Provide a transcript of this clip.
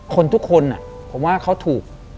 คนทุกคนน่ะผมว่าเขาถูก